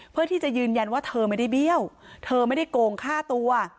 เพื่อที่จะยืนยันว่าเธอไม่ได้เบี้ยวเธอไม่ได้โกงฆ่าตัว